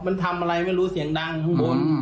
มันทำอะไรไม่รู้เสียงดังข้างบน